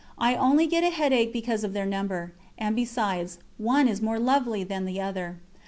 I only get a headache because of their number, and besides, one is more lovely than another.